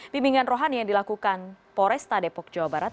bimbingan rohani yang dilakukan poresta depok jawa barat